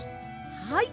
はい。